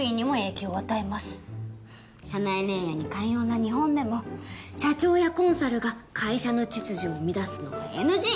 社内恋愛に寛容な日本でも社長やコンサルが会社の秩序を乱すのはＮＧ！